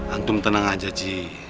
antum tenang aja ji